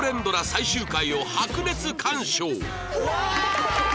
最終回を白熱鑑賞！